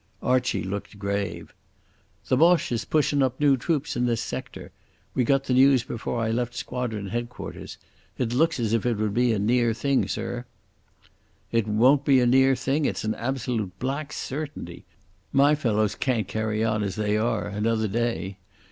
Archie looked grave. "The Boche is pushin' up new troops in this sector. We got the news before I left squadron headquarters. It looks as if it would be a near thing, sir." "It won't be a near thing. It's an absolute black certainty. My fellows can't carry on as they are another day.